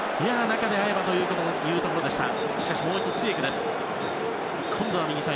中で合えばというところでした。